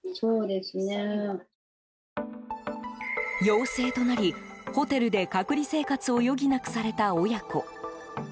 陽性となり、ホテルで隔離生活を余儀なくされた親子。